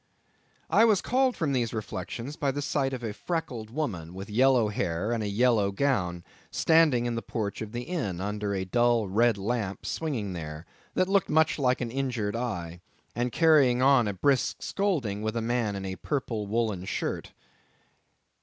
I was called from these reflections by the sight of a freckled woman with yellow hair and a yellow gown, standing in the porch of the inn, under a dull red lamp swinging there, that looked much like an injured eye, and carrying on a brisk scolding with a man in a purple woollen shirt.